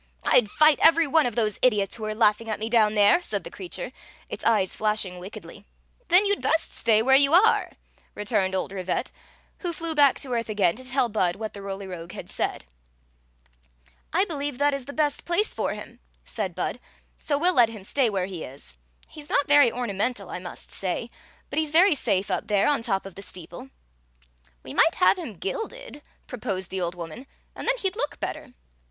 •* rd fij^t every one of those idiots who are laugh ing at me down there !" said the creature, its eyes flashing wicke ily. "Then you 'd best stay where you arc, returned old Rivette, who flew back to atrth again to tell Bud what the Roly Rogue had said. " I believe that is the best place for him," said Bud ;" so we '11 let him stay where he is. He 's not very ornamental, I must say, but he *s very safe up there on top of the steeple" "We m'ight have him gilded," proposed the old woman, "and then he 'd look better."